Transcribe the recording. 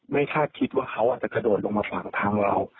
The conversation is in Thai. ไม่คาดคิดว่าเขาอาจจะขโดดลงมาขวางทางเรา